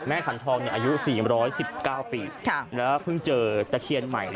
ขันทองอายุ๔๑๙ปีแล้วเพิ่งเจอตะเคียนใหม่